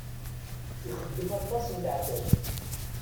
Ixeddem aṭas n leɛtab.